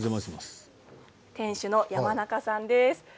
店主の山中さんです。